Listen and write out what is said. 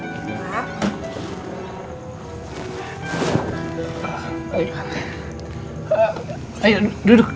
tidak bisa punished